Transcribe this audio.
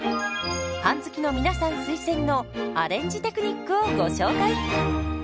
パン好きの皆さん推薦のアレンジテクニックをご紹介。